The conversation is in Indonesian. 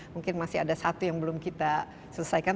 mungkin masih ada satu yang belum kita selesaikan